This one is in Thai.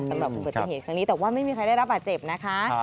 สำหรับอุบัติเหตุครั้งนี้แต่ว่าไม่มีใครได้รับบาดเจ็บนะคะ